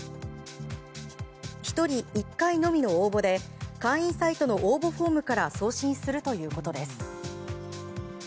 １人１回のみの応募で会員サイトの応募フォームから送信するということです。